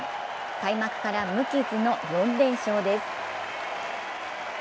開幕から無傷の４連勝です。